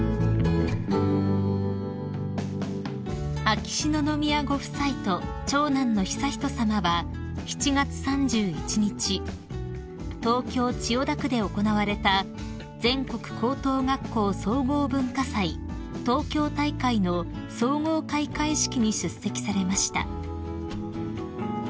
［秋篠宮ご夫妻と長男の悠仁さまは７月３１日東京千代田区で行われた全国高等学校総合文化祭東京大会の総合開会式に出席されました］